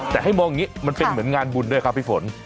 แต่ให้มองอย่างนี้มันเป็นเหมือนงานบุญด้วยครับพี่ฝน